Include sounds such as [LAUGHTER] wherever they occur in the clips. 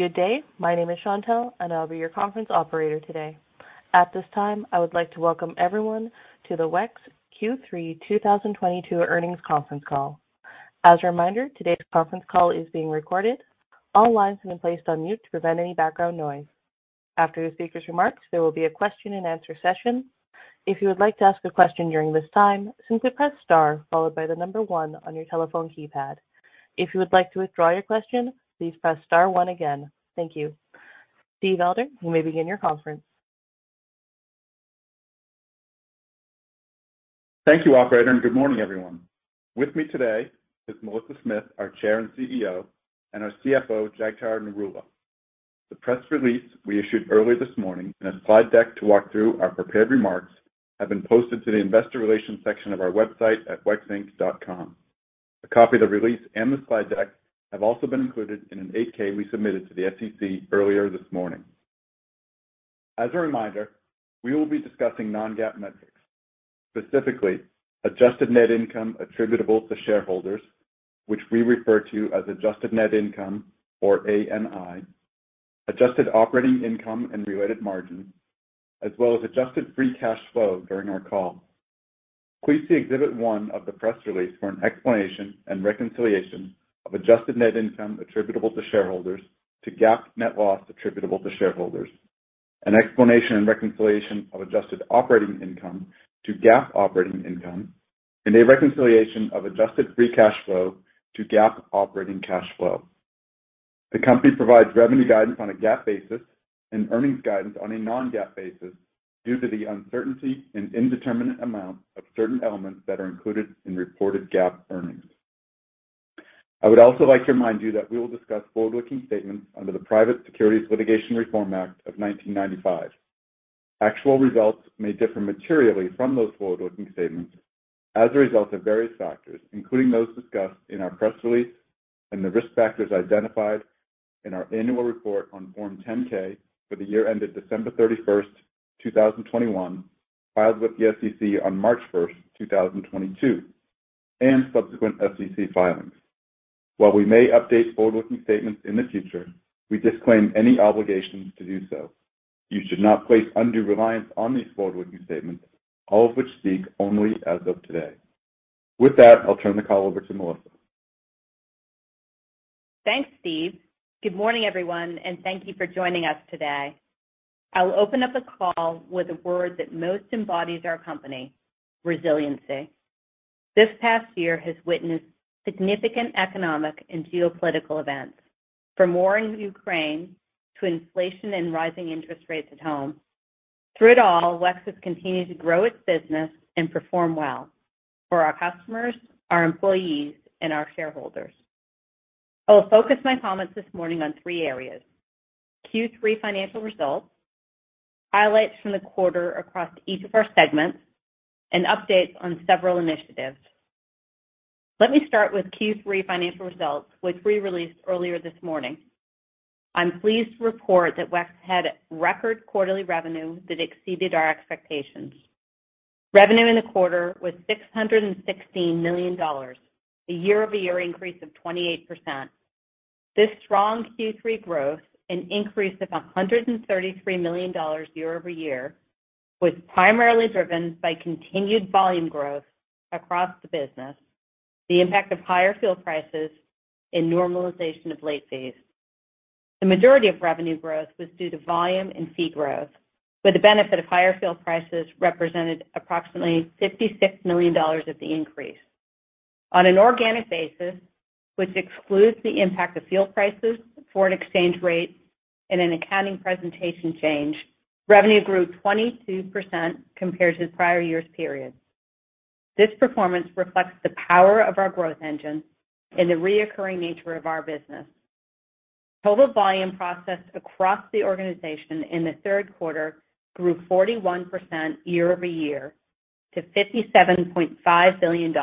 Welcome everyone to the WEX Q3 2022 earnings conference call. Good morning, everyone. With me today is Melissa Smith, our Chair and CEO, and our CFO, Jagtar Narula. The press release we issued earlier this morning and a slide deck to walk through our prepared remarks have been posted to the investor relations section of our website at wexinc.com. A copy of the release and the slide deck have also been included in an 8-K we submitted to the SEC earlier this morning. As a reminder, we will be discussing non-GAAP metrics, specifically adjusted net income attributable to shareholders, which we refer to as adjusted net income or ANI, adjusted operating income and related margin, as well as adjusted free cash flow during our call. Please see Exhibit 1 of the press release for an explanation and reconciliation of adjusted net income attributable to shareholders to GAAP net loss attributable to shareholders, an explanation and reconciliation of adjusted operating income to GAAP operating income, and a reconciliation of adjusted free cash flow to GAAP operating cash flow. The company provides revenue guidance on a GAAP basis and earnings guidance on a non-GAAP basis due to the uncertainty and indeterminate amount of certain elements that are included in reported GAAP earnings. I would also like to remind you that we will discuss forward-looking statements under the Private Securities Litigation Reform Act of 1995. Actual results may differ materially from those forward-looking statements as a result of various factors, including those discussed in our press release and the risk factors identified in our annual report on Form 10-K for the year ended December 31, 2021, Filed with the SEC on March 1, 2022, and subsequent SEC filings. While we may update forward-looking statements in the future, we disclaim any obligations to do so. You should not place undue reliance on these forward-looking statements, all of which speak only as of today. With that, I'll turn the call over to Melissa. Thanks, Steve. Good morning, everyone, and thank you for joining us today. I'll open up the call with a word that most embodies our company, resiliency. This past year has witnessed significant economic and geopolitical events, from war in Ukraine to inflation and rising interest rates at home. Through it all, WEX has continued to grow its business and perform well for our customers, our employees, and our shareholders. I will focus my comments this morning on three areas: Q3 financial results, highlights from the quarter across each of our segments, and updates on several initiatives. Let me start with Q3 financial results, which we released earlier this morning. I'm pleased to report that WEX had record quarterly revenue that exceeded our expectations. Revenue in the quarter was $616 million, a year-over-year increase of 28%. This strong Q3 growth, an increase of $133 million year-over-year, was primarily driven by continued volume growth across the business, the impact of higher fuel prices, and normalization of late fees. The majority of revenue growth was due to volume and fee growth, where the benefit of higher fuel prices represented approximately $56 million of the increase. On an organic basis, which excludes the impact of fuel prices, foreign exchange rate, and an accounting presentation change, revenue grew 22% compared to the prior year's period. This performance reflects the power of our growth engine and the recurring nature of our business. Total volume processed across the organization in the Q3 grew 41% year-over-year to $57.5 billion,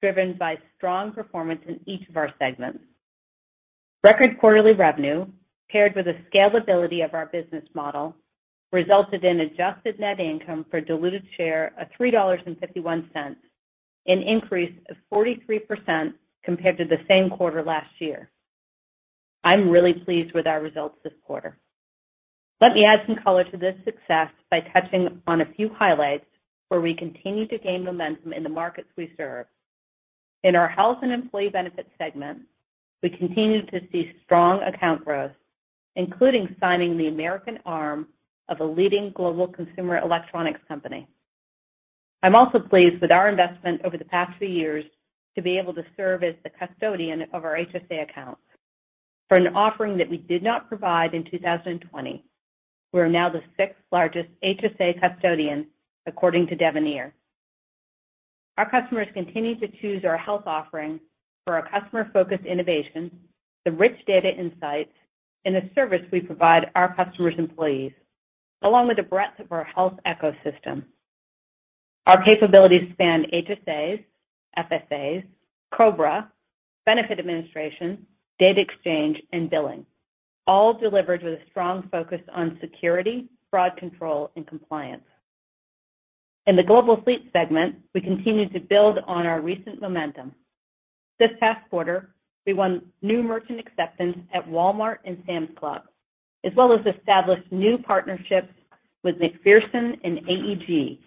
driven by strong performance in each of our segments. Record quarterly revenue paired with the scalability of our business model resulted in adjusted net income per diluted share of $3.51, an increase of 43% compared to the same quarter last year. I'm really pleased with our results this quarter. Let me add some color to this success by touching on a few highlights where we continue to gain momentum in the markets we serve. In our health and employee benefits segment, we continue to see strong account growth, including signing the American arm of a leading global consumer electronics company. I'm also pleased with our investment over the past few years to be able to serve as the custodian of our HSA accounts. For an offering that we did not provide in 2020, we are now the sixth largest HSA custodian, according to Devenir. Our customer''s continue to choose our health offering for our customer-focused innovation, the rich data insights, and the service we provide our customer's employees, along with the breadth of our health ecosystem. Our capabilities span HSAs, FSAs, COBRA, benefit administration, data exchange, and billing, all delivered with a strong focus on security, fraud control, and compliance. In the Global Fleet segment, we continue to build on our recent momentum. This past quarter, we won new merchant acceptance at Walmart and Sam's Club, as well as established new partnerships with McPherson and AEG.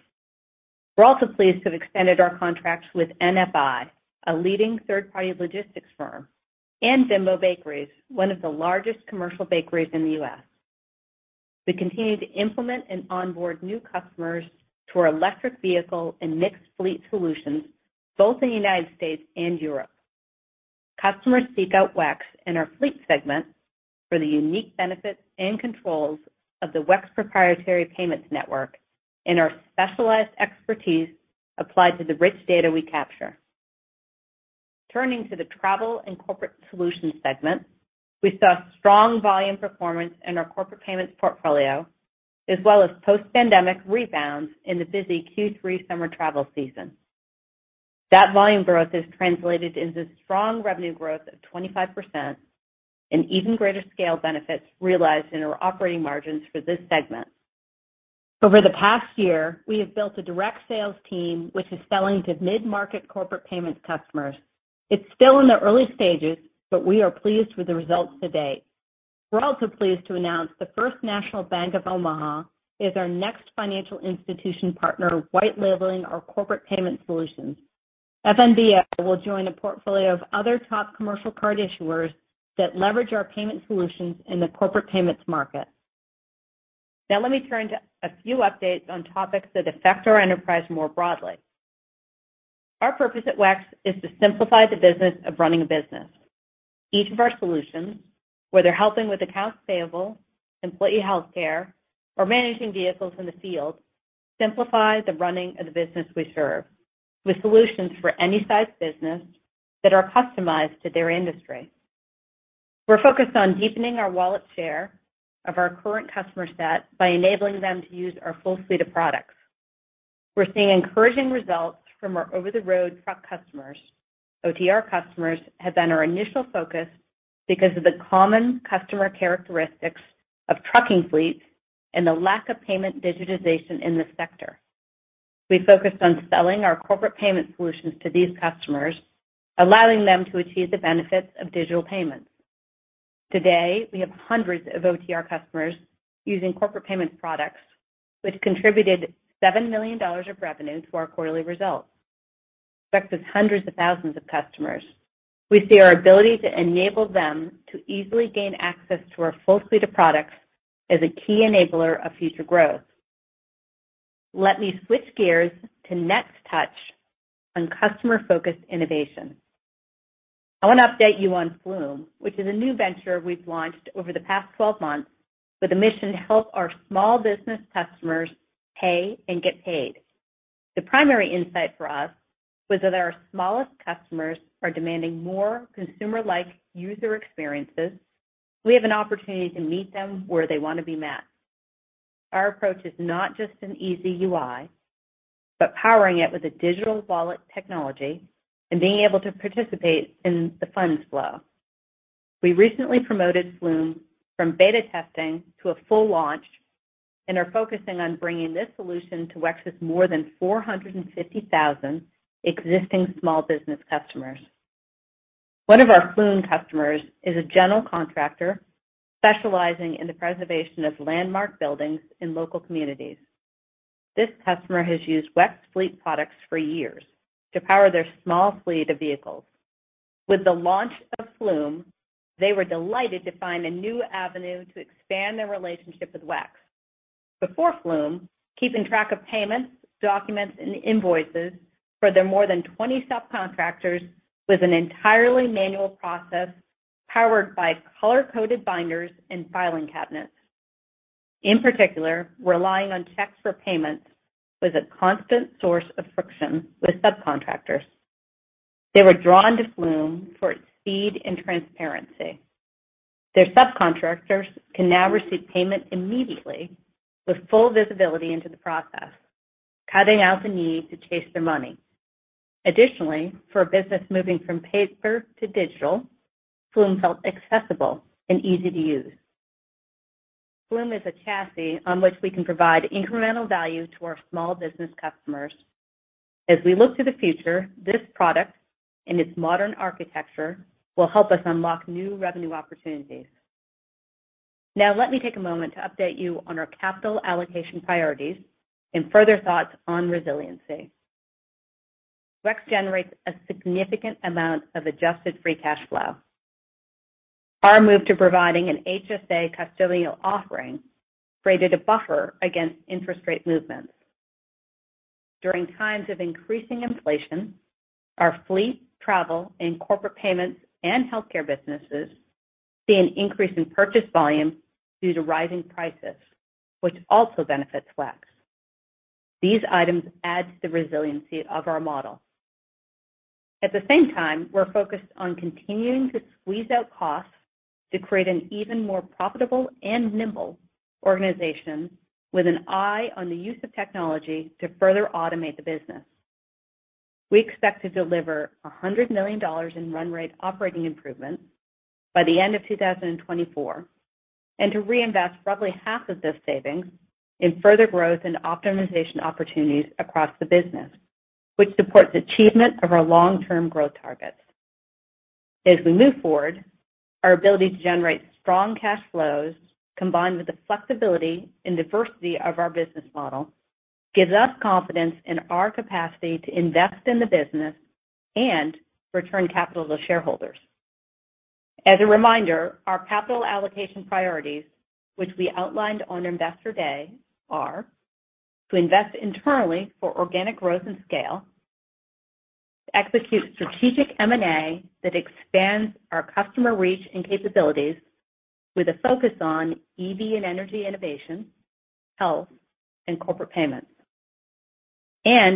We're also pleased to have extended our contracts with NFI, a leading third-party logistics firm, and Bimbo Bakeries, one of the largest commercial bakeries in the U.S. We continue to implement and onboard new customers to our electric vehicle and mixed fleet solutions both in the United States and Europe. Customers seek out WEX in our fleet segment for the unique benefits and controls of the WEX proprietary payments network and our specialized expertise applied to the rich data we capture. Turning to the travel and corporate solutions segment, we saw strong volume performance in our corporate payments portfolio, as well as post-pandemic rebounds in the busy Q3 summer travel season. That volume growth has translated into strong revenue growth of 25% and even greater scale benefits realized in our operating margins for this segment. Over the past year, we have built a direct sales team which is selling to mid-market corporate payments customers. It's still in the early stages, but we are pleased with the results to date. We're also pleased to announce the First National Bank of Omaha is our next financial institution partner white labeling our corporate payment solutions. FNBO will join a portfolio of other top commercial card issuers that leverage our payment solutions in the corporate payments market. Now let me turn to a few updates on topics that affect our enterprise more broadly. Our purpose at WEX is to simplify the business of running a business. Each of our solutions, whether helping with accounts payable, employee health care, or managing vehicles in the field, simplifies the running of the business we serve with solutions for any size business that are customized to their industry. We're focused on deepening our wallet share of our current customer set by enabling them to use our full suite of products. We're seeing encouraging results from our over-the-road truck customers. OTR customers have been our initial focus because of the common customer characteristics of trucking fleets and the lack of payment digitization in this sector. We focused on selling our corporate payment solutions to these customers, allowing them to achieve the benefits of digital payments. Today, we have hundreds of OTR customers using corporate payment products, which contributed $7 million of revenue to our quarterly results. WEX has hundreds of thousands of customers. We see our ability to enable them to easily gain access to our full suite of products as a key enabler of future growth. Let me switch gears to next touch, on customer-focused innovation. I want to update you on Flume, which is a new venture we've launched over the past 12 months with a mission to help our small business customers pay and get paid. The primary insight for us was that our smallest customers are demanding more consumer-like user experiences. We have an opportunity to meet them where they want to be met. Our approach is not just an easy UI, but powering it with a digital wallet technology and being able to participate in the funds flow. We recently promoted Flume from beta testing to a full launch and are focusing on bringing this solution to WEX's more than 450,000 existing small business customers. One of our Flume customers is a general contractor specializing in the preservation of landmark buildings in local communities. This customer has used WEX fleet products for years to power their small fleet of vehicles. With the launch of Flume, they were delighted to find a new avenue to expand their relationship with WEX. Before Flume, keeping track of payments, documents, and invoices for their more than 20 subcontractors was an entirely manual process powered by color-coded binders and filing cabinets. In particular, relying on checks for payments was a constant source of friction with subcontractors. They were drawn to Flume for its speed and transparency. Their subcontractors can now receive payment immediately with full visibility into the process, cutting out the need to chase their money. Additionally, for a business moving from paper to digital, Flume felt accessible and easy to use. Flume is a chassis on which we can provide incremental value to our small business customers. As we look to the future, this product and its modern architecture will help us unlock new revenue opportunities. Now let me take a moment to update you on our capital allocation priorities and further thoughts on resiliency. WEX generates a significant amount of adjusted free cash flow. Our move to providing an HSA custodial offering created a buffer against interest rate movements. During times of increasing inflation, our fleet, travel, and corporate payments and healthcare businesses see an increase in purchase volume due to rising prices, which also benefits WEX. These items add to the resiliency of our model. At the same time, we're focused on continuing to squeeze out costs to create an even more profitable and nimble organization with an eye on the use of technology to further automate the business. We expect to deliver $100 million in run-rate operating improvements by the end of 2024 and to reinvest roughly half of this savings in further growth and optimization opportunities across the business, which supports achievement of our long-term growth targets. As we move forward, our ability to generate strong cash flows, combined with the flexibility and diversity of our business model, gives us confidence in our capacity to invest in the business and return capital to shareholders. As a reminder, our capital allocation priorities, which we outlined on Investor Day, are to invest internally for organic growth and scale, to execute strategic M&A that expands our customer reach and capabilities with a focus on EV and energy innovation, health, and corporate payments.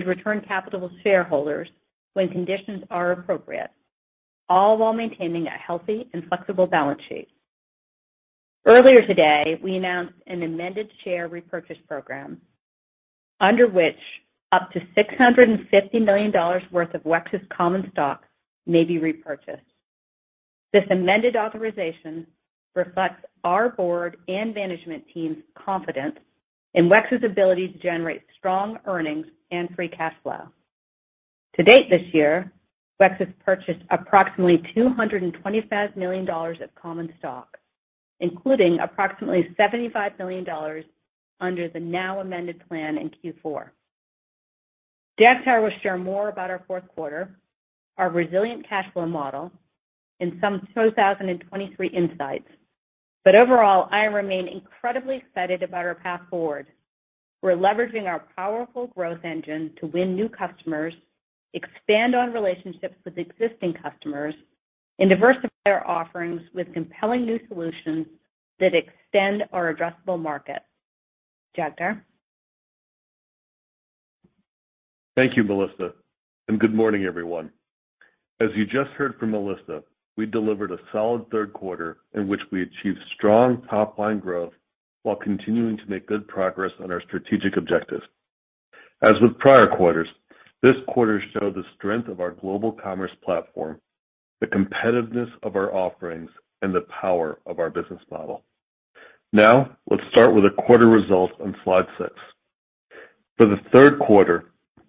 Return capital to shareholders when conditions are appropriate, all while maintaining a healthy and flexible balance sheet. Earlier today, we announced an amended share repurchase program under which up to $650 million worth of WEX's common stock may be repurchased. This amended authorization reflects our board and management team's confidence in WEX's ability to generate strong earnings and free cash flow. To date this year, WEX has purchased approximately $225 million of common stock, including approximately $75 million under the now amended plan in Q4. Jagtar will share more about our Q4, our resilient cash flow model, and some 2023 insights. Overall, I remain incredibly excited about our path forward. We're leveraging our powerful growth engine to win new customers, expand on relationships with existing customers, and diversify our offerings with compelling new solutions that extend our addressable market. Jagtar. Thank you, Melissa, and good morning, everyone. As you just heard from Melissa, we delivered a solid Q3 in which we achieved strong top-line growth while continuing to make good progress on our strategic objectives. As with prior quarters, this quarter showed the strength of our global commerce platform, the competitiveness of our offerings, and the power of our business model. Now, let's start with the quarter results on slide 6. For the Q3,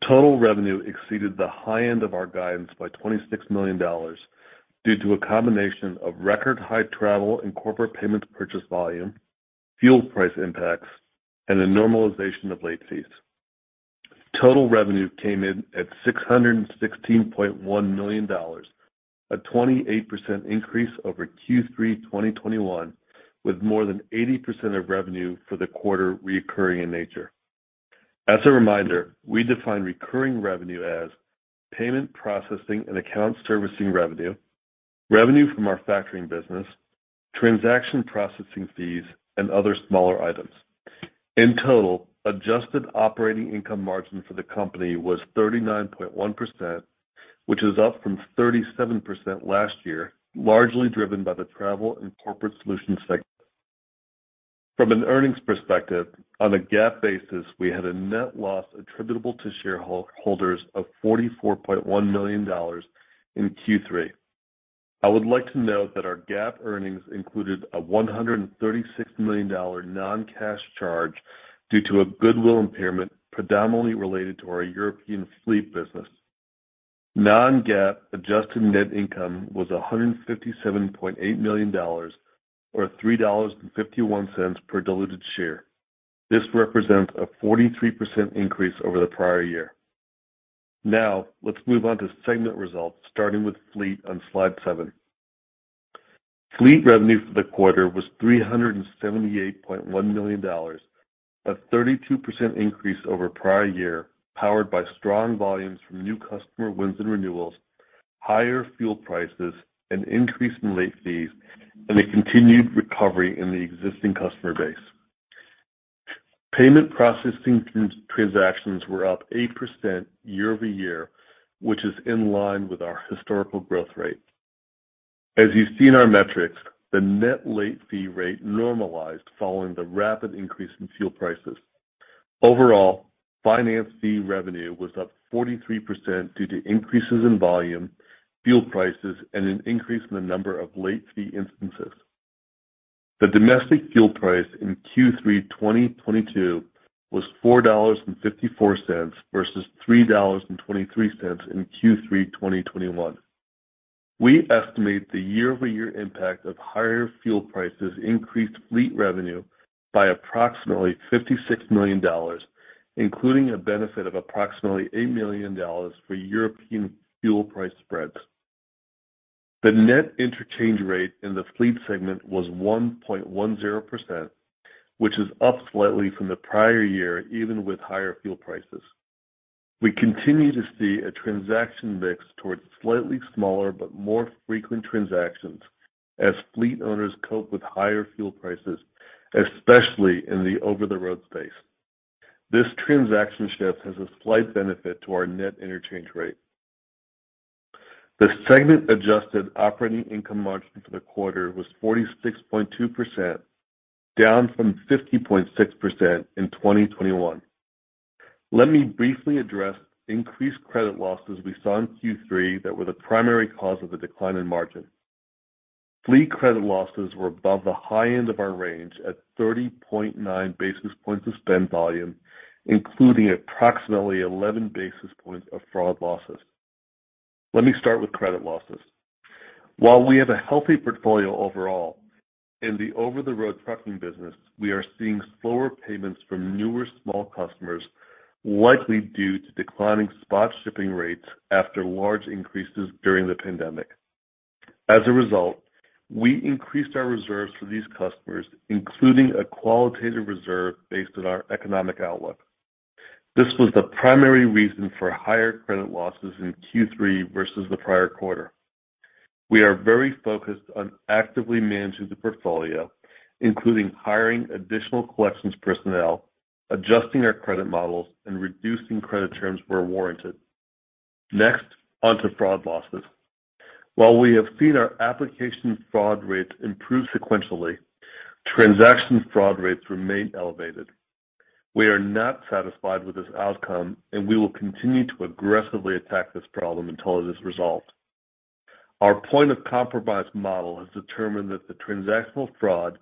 total revenue exceeded the high end of our guidance by $26 million due to a combination of record high travel and corporate payments purchase volume, fuel price impacts, and a normalization of late fees. Total revenue came in at $616.1 million, a 28% increase over Q3 2021, with more than 80% of revenue for the quarter recurring in nature. As a reminder, we define recurring revenue as payment processing and account servicing revenue from our factoring business, transaction processing fees, and other smaller items. In total, adjusted operating income margin for the company was 39.1%, which is up from 37% last year, largely driven by the travel and corporate solutions sector. From an earnings perspective, on a GAAP basis, we had a net loss attributable to shareholders of $44.1 million in Q3. I would like to note that our GAAP earnings included a $136 million non-cash charge due to a goodwill impairment predominantly related to our European fleet business. Non-GAAP adjusted net income was $157.8 million or $3.51 per diluted share. This represents a 43% increase over the prior year. Now let's move on to segment results, starting with fleet on Slide 7. Fleet revenue for the quarter was $378.1 million, a 32% increase over prior year, powered by strong volumes from new customer wins and renewals, higher fuel prices, an increase in late fees, and a continued recovery in the existing customer base. Payment processing transactions were up 8% year over year, which is in line with our historical growth rate. As you see in our metrics, the net late fee rate normalized following the rapid increase in fuel prices. Overall, finance fee revenue was up 43% due to increases in volume, fuel prices, and an increase in the number of late fee instances. The domestic fuel price in Q3 2022 was $4.54 versus $3.23 in Q3 2021. We estimate the year-over-year impact of higher fuel prices increased fleet revenue by approximately $56 million, including a benefit of approximately $8 million for European fuel price spreads. The net interchange rate in the fleet segment was 1.10%, which is up slightly from the prior year even with higher fuel prices. We continue to see a transaction mix towards slightly smaller but more frequent transactions as fleet owners cope with higher fuel prices, especially in the over-the-road space. This transaction shift has a slight benefit to our net interchange rate. The segment adjusted operating income margin for the quarter was 46.2%, down from 50.6% in 2021. Let me briefly address increased credit losses we saw in Q3 that were the primary cause of the decline in margin. Fleet credit losses were above the high end of our range at 30.9 basis points of spend volume, including approximately 11 basis points of fraud losses. Let me start with credit losses. While we have a healthy portfolio overall, in the over-the-road trucking business, we are seeing slower payments from newer small customers, likely due to declining spot shipping rates after large increases during the pandemic. As a result, we increased our reserves for these customers, including a qualitative reserve based on our economic outlook. This was the primary reason for higher credit losses in Q3 versus the prior quarter. We are very focused on actively managing the portfolio, including hiring additional collections personnel, adjusting our credit models, and reducing credit terms where warranted. Next, on to fraud losses. While we have seen our application fraud rates improve sequentially, transaction fraud rates remain elevated. We are not satisfied with this outcome, and we will continue to aggressively attack this problem until it is resolved. Our point of compromise model has determined that the transactional fraud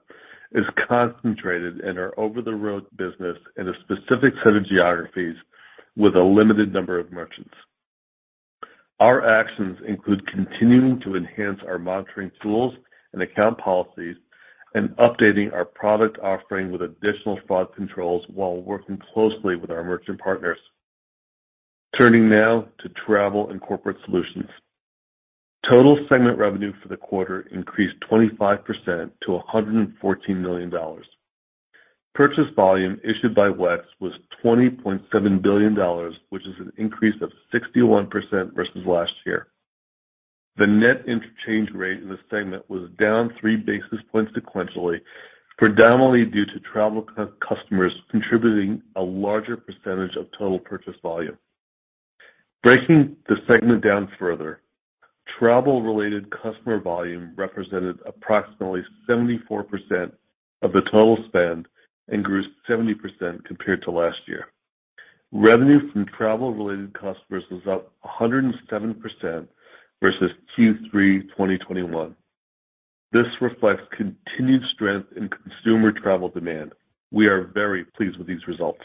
is concentrated in our over-the-road business in a specific set of geographies with a limited number of merchants. Our actions include continuing to enhance our monitoring tools and account policies and updating our product offering with additional fraud controls while working closely with our merchant partners. Turning now to travel and corporate solutions. Total segment revenue for the quarter increased 25% to $114 million. Purchase volume issued by WEX was $20.7 billion, which is an increase of 61% versus last year. The net interchange rate in the segment was down 3 basis points sequentially, predominantly due to travel customers contributing a larger percentage of total purchase volume. Breaking the segment down further, travel-related customer volume represented approximately 74% of the total spend and grew 70% compared to last year. Revenue from travel-related customers was up 107% versus Q3 2021. This reflects continued strength in consumer travel demand. We are very pleased with these results.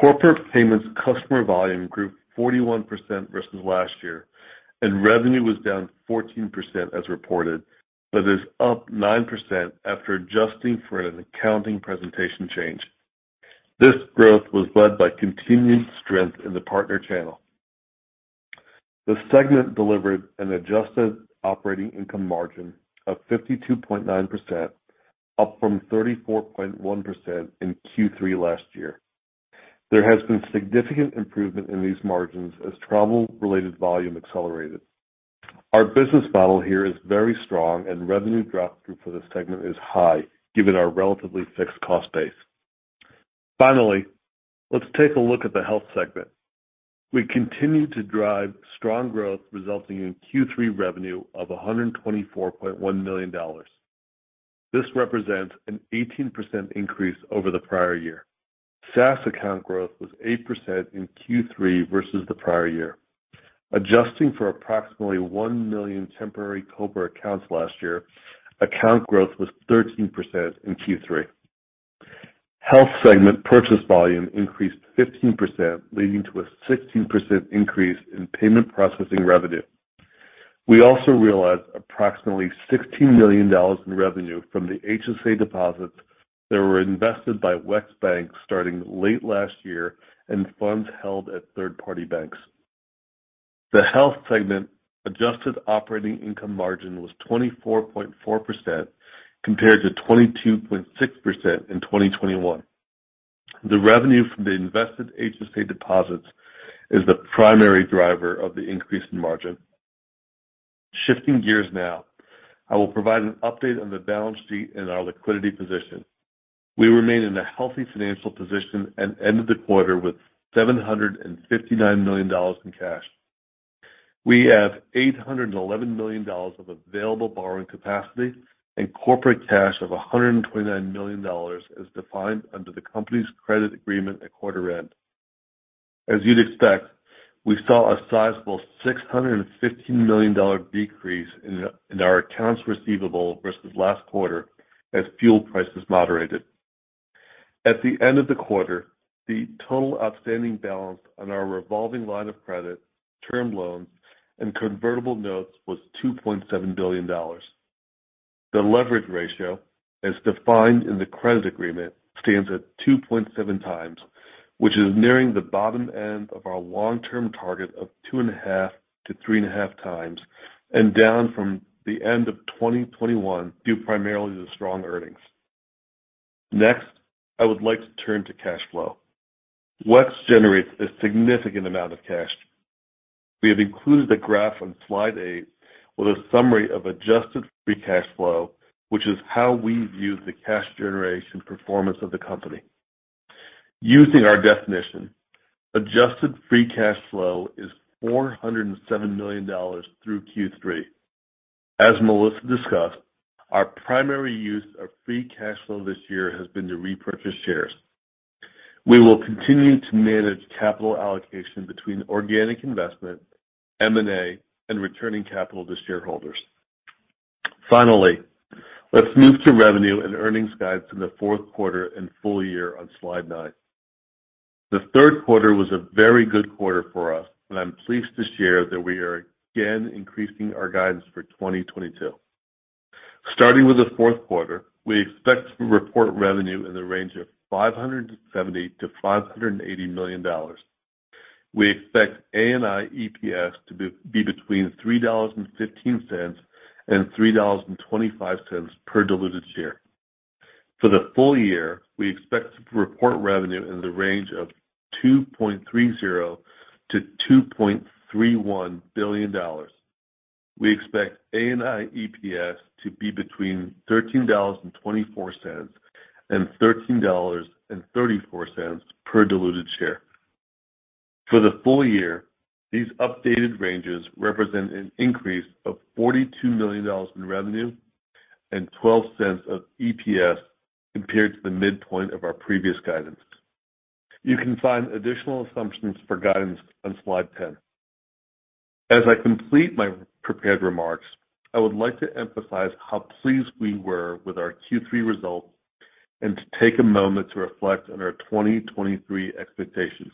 Corporate payments customer volume grew 41% versus last year, and revenue was down 14% as reported, but is up 9% after adjusting for an accounting presentation change. This growth was led by continued strength in the partner channel. The segment delivered an adjusted operating income margin of 52.9%, up from 34.1% in Q3 last year. There has been significant improvement in these margins as travel-related volume accelerated. Our business model here is very strong and revenue drop through for this segment is high given our relatively fixed cost base. Finally, let's take a look at the health segment. We continue to drive strong growth resulting in Q3 revenue of $124.1 million. This represents an 18% increase over the prior year. SaaS account growth was 8% in Q3 versus the prior year. Adjusting for approximately 1 million temporary COBRA accounts last year, account growth was 13% in Q3. Health segment purchase volume increased 15%, leading to a 16% increase in payment processing revenue. We also realized approximately $16 million in revenue from the HSA deposits that were invested by WEX Bank starting late last year and funds held at third-party banks. The health segment adjusted operating income margin was 24.4% compared to 22.6% in 2021. The revenue from the invested HSA deposits is the primary driver of the increase in margin. Shifting gears now, I will provide an update on the balance sheet and our liquidity position. We remain in a healthy financial position and ended the quarter with $759 million in cash. We have $811 million of available borrowing capacity and corporate cash of $129 million as defined under the company's credit agreement at quarter end. As you'd expect, we saw a sizable $615 million decrease in our accounts receivable versus last quarter as fuel prices moderated. At the end of the quarter, the total outstanding balance on our revolving line of credit, term loans, and convertible notes was $2.7 billion. The leverage ratio, as defined in the credit agreement, stands at 2.7 times, which is nearing the bottom end of our long-term target of 2.5-3.5 times, and down from the end of 2021 due primarily to strong earnings. Next, I would like to turn to cash flow. WEX generates a significant amount of cash. We have included a graph on slide eight with a summary of adjusted free cash flow, which is how we view the cash generation performance of the company. Using our definition, adjusted free cash flow is $407 million through Q3. As Melissa discussed, our primary use of free cash flow this year has been to repurchase shares. We will continue to manage capital allocation between organic investment, M&A, and returning capital to shareholders. Finally, let's move to revenue and earnings guidance in the Q4 and full year on slide 9. The Q3 was a very good quarter for us, and I'm pleased to share that we are again increasing our guidance for 2022. Starting with the Q4, we expect to report revenue in the range of $570 million-$580 million. We expect ANI EPS to be between $3.15 and $3.25 per diluted share. For the full year, we expect to report revenue in the range of $2.30 billion-$2.31 billion. We expect ANI EPS to be between $13.24 and $13.34 per diluted share. For the full year, these updated ranges represent an increase of $42 million in revenue and 12 cents of EPS compared to the midpoint of our previous guidance. You can find additional assumptions for guidance on slide 10. As I complete my prepared remarks, I would like to emphasize how pleased we were with our Q3 results and to take a moment to reflect on our 2023 expectations.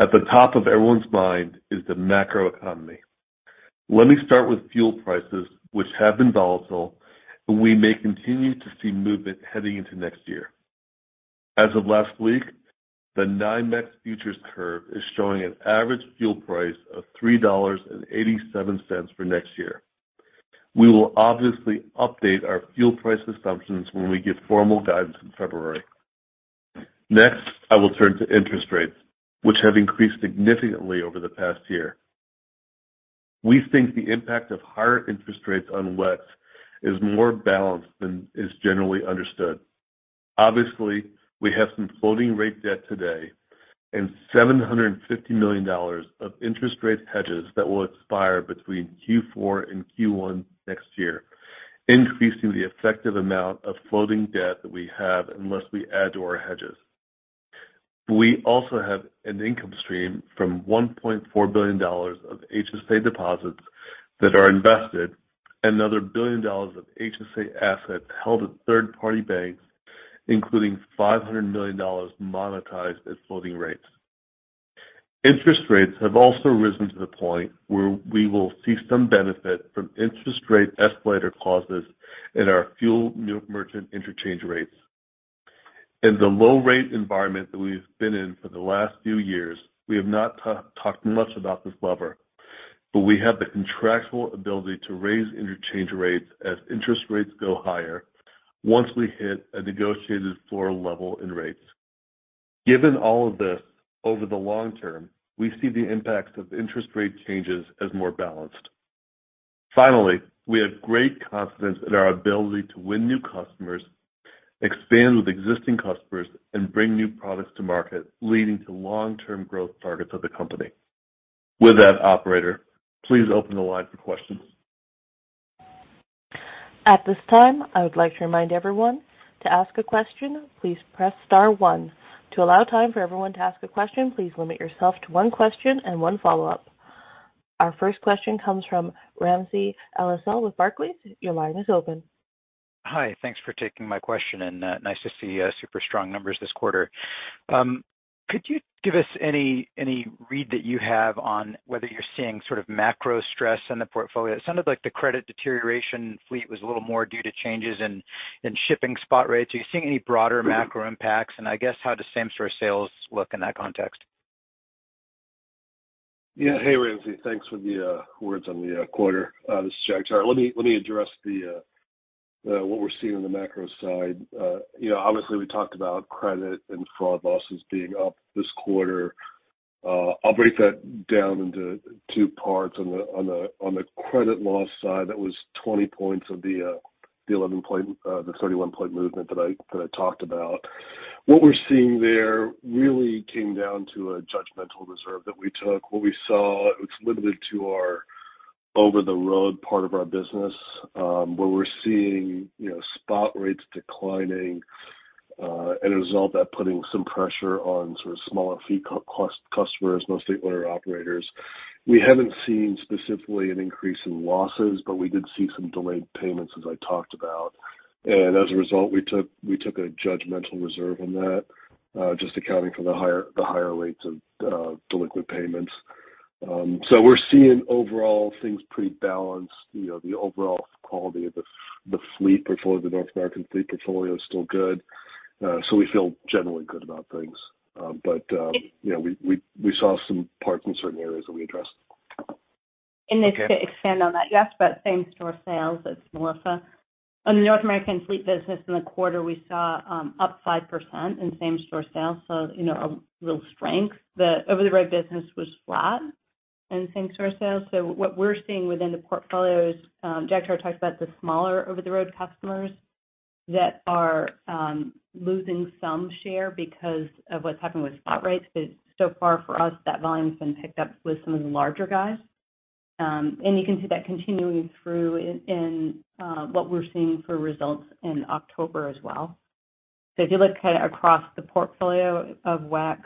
At the top of everyone's mind is the macro economy. Let me start with fuel prices, which have been volatile, and we may continue to see movement heading into next year. As of last week, the NYMEX futures curve is showing an average fuel price of $3.87 for next year. We will obviously update our fuel price assumptions when we give formal guidance in February. Next, I will turn to interest rates, which have increased significantly over the past year. We think the impact of higher interest rates on WEX is more balanced than is generally understood. Obviously, we have some floating rate debt today and $750 million of interest rate hedges that will expire between Q4 and Q1 next year, increasing the effective amount of floating debt that we have unless we add to our hedges. We also have an income stream from $1.4 billion of HSA deposits that are invested, another $1 billion of HSA assets held at third-party banks, including $500 million monetized at floating rates. Interest rates have also risen to the point where we will see some benefit from interest rate escalator clauses in our fuel merchant interchange rates. In the low rate environment that we've been in for the last few years, we have not talked much about this lever, but we have the contractual ability to raise interchange rates as interest rates go higher once we hit a negotiated floor level in rates. Given all of this, over the long term, we see the impacts of interest rate changes as more balanced. Finally, we have great confidence in our ability to win new customers, expand with existing customers, and bring new products to market, leading to long-term growth targets of the company. With that, operator, please open the line for questions. Hi, thanks for taking my question and nice to see super strong numbers this quarter. Could you give us any read that you have on whether you're seeing macro stress in the portfolio? It sounded like the credit deterioration fleet was a little more due to changes in shipping spot rates. Are you seeing any broader macro impacts? I guess how does same-store sales look in that context? Yeah. Hey, Ramsey. Thanks for the words on the quarter. This is Jagtar Narula. Let me address what we're seeing on the macro side. Obviously, we talked about credit and fraud losses being up this quarter. I'll break that down into two parts. On the credit loss side, that was 20 points of the 31-point movement that I talked about. What we're seeing there really came down to a judgmental reserve that we took. What we saw, it's limited to our over-the-road part of our business, where we're seeing spot rates declining, and a result of that putting some pressure on smaller fleet customers, mostly owner-operators. We haven't seen specifically an increase in losses, but we did see some delayed payments, as I talked about. As a result, we took a judgmental reserve on that, just accounting for the higher rates of delinquent payments. We're seeing overall things pretty balanced. The overall quality of the fleet portfolio, the North American fleet portfolio is still good. We feel generally good about things. We saw some parts in certain areas that we addressed. [CROSSTALK] Just to expand on that, you asked about same-store sales. It's Melissa. On the North American fleet business in the quarter, we saw up 5% in same-store sales, so, a real strength. The over-the-road business was flat. Thanks for ourselves. What we're seeing within the portfolios, Jagtar Narula talked about the smaller over-the-road customers that are losing some share because of what's happening with spot rates. So far for us, that volume's been picked up with some of the larger guys. You can see that continuing through in what we're seeing for results in October as well. If you look kinda across the portfolio of WEX,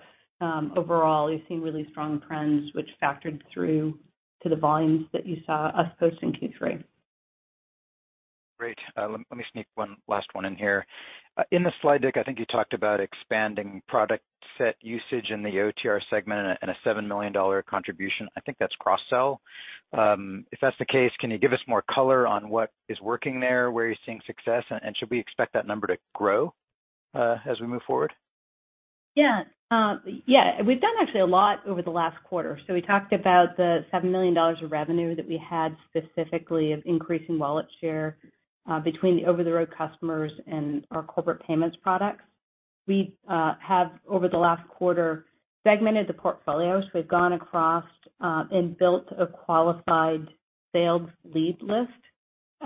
overall, you're seeing really strong trends which factored through to the volumes that you saw us post in Q3. Great. Let me sneak one last one in here. In the slide deck, I think you talked about expanding product set usage in the OTR segment and a $7 million contribution. I think that's cross sell. If that's the case, can you give us more color on what is working there, where you're seeing success, and should we expect that number to grow as we move forward? Yeah. Yeah. We've done actually a lot over the last quarter. We talked about the $7 million of revenue that we had specifically of increasing wallet share between the over-the-road customers and our corporate payments products. We have over the last quarter segmented the portfolio. We've gone across and built a qualified sales lead list.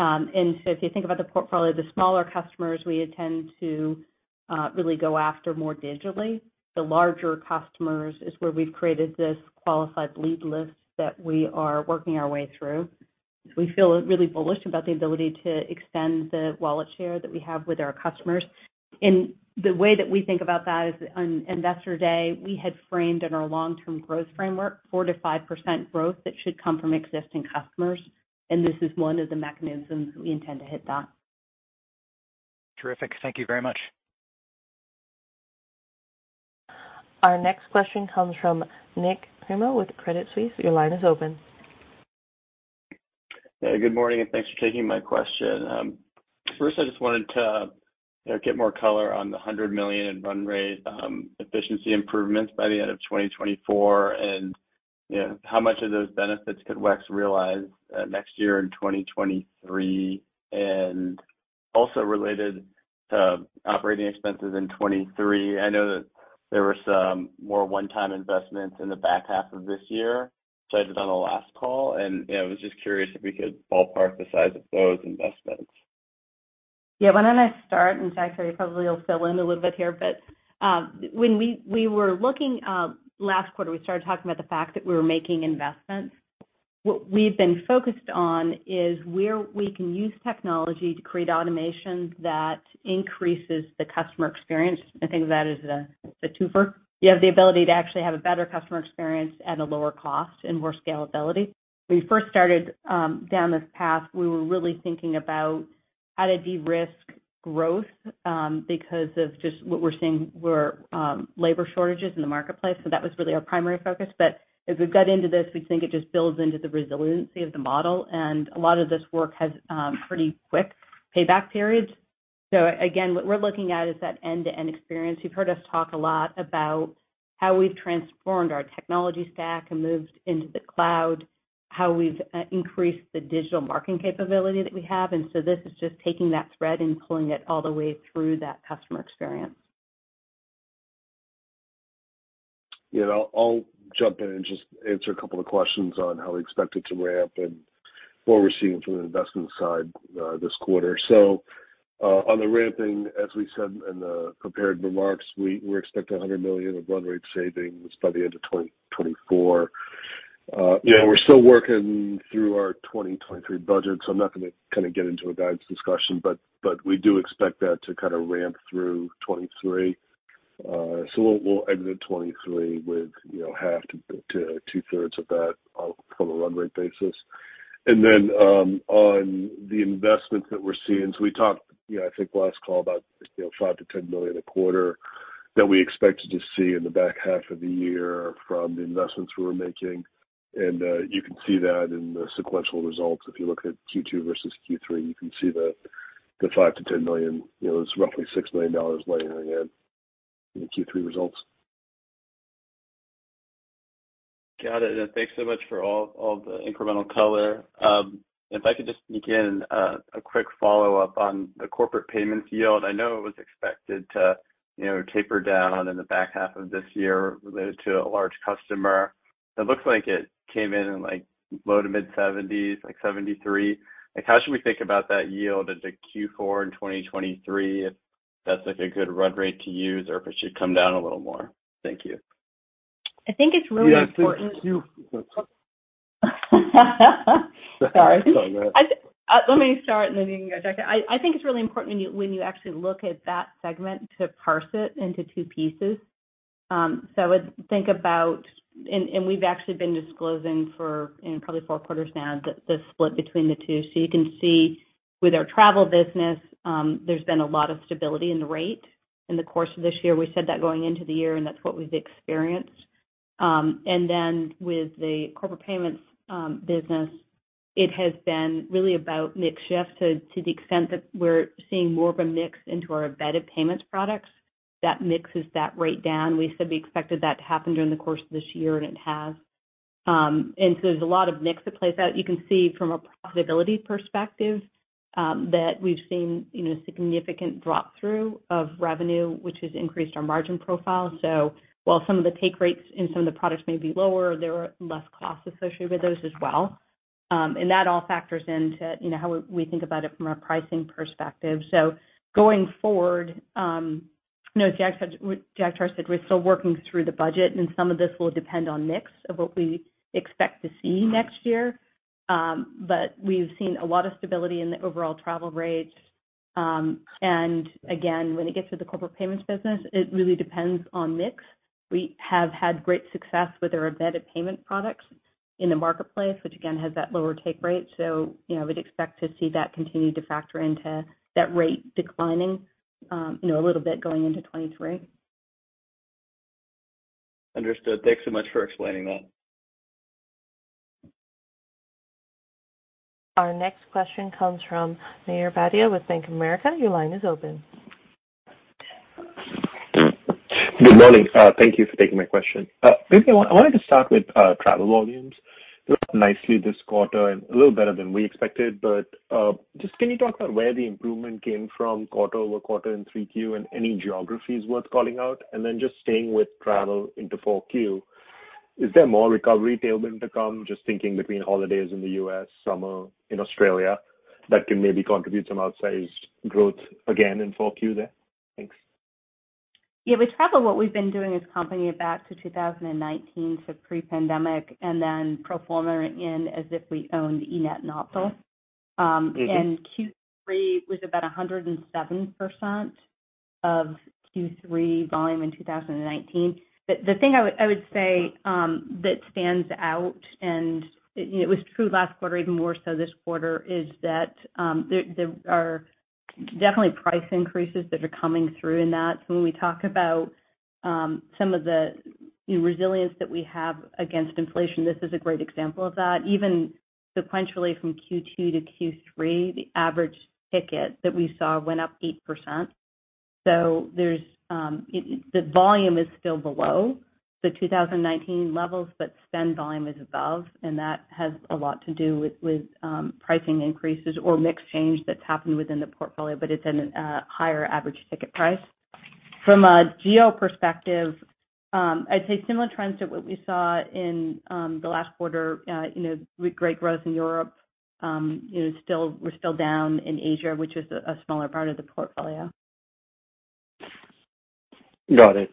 If you think about the portfolio, the smaller customers we intend to really go after more digitally. The larger customers is where we've created this qualified lead list that we are working our way through. We feel really bullish about the ability to extend the wallet share that we have with our customers. The way that we think about that is on Investor Day, we had framed in our long-term growth framework 4%-5% growth that should come from existing customers, and this is one of the mechanisms we intend to hit that. Terrific. Thank you very much. Yeah. Good morning, and thanks for taking my question. First, I just wanted to get more color on the $100 million in run rate efficiency improvements by the end of 2024, and, how much of those benefits could WEX realize next year in 2023. Also related to operating expenses in 2023, I know that there were some more one-time investments in the back half of this year cited on the last call, and, I was just curious if we could ballpark the size of those investments. Yeah. Why don't I start, and Jack probably will fill in a little bit here. When we were looking last quarter, we started talking about the fact that we were making investments. What we've been focused on is where we can use technology to create automation that increases the customer experience. I think that is a twofer. You have the ability to actually have a better customer experience at a lower cost and more scalability. When we first started down this path, we were really thinking about how to de-risk growth because of just what we're seeing were labor shortages in the marketplace. That was really our primary focus. As we've got into this, we think it just builds into the resiliency of the model, and a lot of this work has pretty quick payback periods. What we're looking at is that end-to-end experience. You've heard us talk a lot about how we've transformed our technology stack and moved into the cloud, how we've increased the digital marketing capability that we have. This is just taking that thread and pulling it all the way through that customer experience. Yeah. I'll jump in and just answer a couple of questions on how we expect it to ramp and what we're seeing from an investment side, this quarter. On the ramping, as we said in the prepared remarks, we're expecting $100 million of run rate savings by the end of 2024. We're still working through our 2023 budget, so I'm not gonna kinda get into a guidance discussion, but we do expect that to kinda ramp through 2023. We'll exit 2023 with half to two-thirds of that from a run rate basis. On the investments that we're seeing, so we talked, I think last call about, $5 million-$10 million a quarter that we expected to see in the back half of the year from the investments we were making. You can see that in the sequential results. If you look at Q2 versus Q3, you can see the five to ten million, is roughly $6 million landing in the Q3 results. Got it. Thanks so much for all the incremental color. If I could just sneak in a quick follow-up on the corporate payments yield. I know it was expected to, taper down in the back half of this year related to a large customer. It looks like it came in, like, low-to-mid 70s%, like 73%. Like, how should we think about that yield into Q4 in 2023, if that's, like, a good run rate to use, or if it should come down a little more? Thank you. I think it's really important. Yeah, I think. Sorry. Sorry about that. Let me start, and then you can go, Jagtar Narula. I think it's really important when you actually look at that segment to parse it into two pieces. We've actually been disclosing for probably 4 quarters now the split between the two. You can see with our travel business, there's been a lot of stability in the rate in the course of this year. We said that going into the year, and that's what we've experienced. Then with the corporate payments business, it has been really about mix shift to the extent that we're seeing more of a mix into our embedded payments products. That mixes that rate down. We said we expected that to happen during the course of this year, and it has. There's a lot of mix at play. You can see from a profitability perspective that we've seen, significant drop-through of revenue, which has increased our margin profile. While some of the take rates in some of the products may be lower, there are less costs associated with those as well. That all factors into, how we think about it from a pricing perspective. Going forward, as Jagtar Narula said, we're still working through the budget, and some of this will depend on mix of what we expect to see next year. We've seen a lot of stability in the overall travel rates. Again, when it gets to the corporate payments business, it really depends on mix. We have had great success with our embedded payment products in the marketplace, which again, has that lower take rate. We'd expect to see that continue to factor into that rate declining, a little bit going into 2023. Understood. Thank you so much for explaining that. Good morning. Thank you for taking my question. Maybe I wanted to start with travel volumes. Looked nice this quarter and a little better than we expected, but just can you talk about where the improvement came from quarter-over-quarter in 3Q and any geographies worth calling out? Then just staying with travel into 4Q, is there more recovery tailwind to come, just thinking between holidays in the U.S., summer in Australia, that can maybe contribute some outsized growth again in 4Q there? Thanks. Yeah. With travel, what we've been doing as a company back to 2019, so pre-pandemic, and then pro forma in as if we owned eNett and Optal. Q3 was about 107% of Q3 volume in 2019. The thing I would say that stands out, and it was true last quarter, even more so this quarter, is that there are definitely price increases that are coming through in that. When we talk about some of the resilience that we have against inflation, this is a great example of that. Even sequentially from Q2 to Q3, the average ticket that we saw went up 8%. There's the volume is still below the 2019 levels, but spend volume is above, and that has a lot to do with pricing increases or mix change that's happened within the portfolio, but it's in a higher average ticket price. From a geo perspective, I'd say similar trends to what we saw in the last quarter, with great growth in Europe. We're still down in Asia, which is a smaller part of the portfolio. Got it.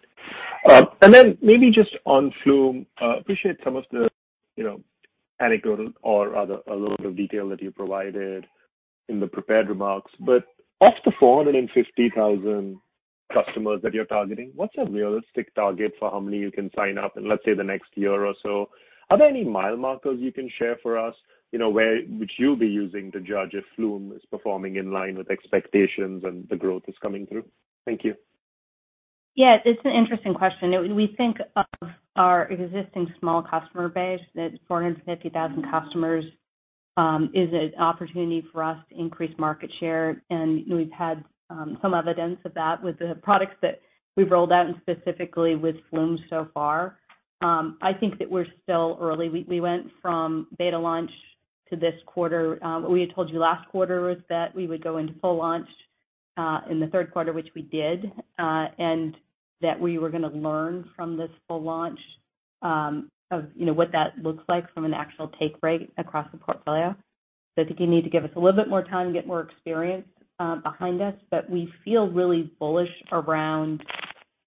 Maybe just on Flume, appreciate some of the, anecdotal or other, a little detail that you provided in the prepared remarks. Of the 450,000 customers that you're targeting, what's a realistic target for how many you can sign up in, let's say, the next year or so? Are there any milestones you can share for us, where, which you'll be using to judge if Flume is performing in line with expectations and the growth is coming through? Thank you. Yeah. It's an interesting question. We think of our existing small customer base, that 450,000 customers, is an opportunity for us to increase market share. We've had some evidence of that with the products that we've rolled out and specifically with Flume so far. I think that we're still early. We went from beta launch to this quarter. What we had told you last quarter was that we would go into full launch in the Q3, which we did, and that we were gonna learn from this full launch of, what that looks like from an actual take rate across the portfolio. I think you need to give us a little bit more time to get more experience behind us. We feel really bullish around